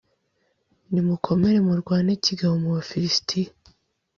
nimukomere murwane kigabo mwa bafilisitiya